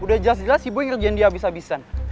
udah jelas jelas si boy kerjain dia abis abisan